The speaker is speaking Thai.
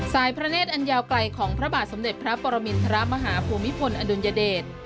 พระเนธอันยาวไกลของพระบาทสมเด็จพระปรมินทรมาฮภูมิพลอดุลยเดช